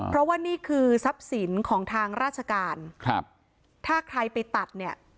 เพราะว่าคือสับสินของทางราชการครับถ้าใครไปจัดเนี้ย